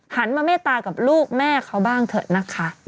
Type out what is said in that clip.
หันมาเมตตากับลูกแม่เขาบ้างเถอะนะคะ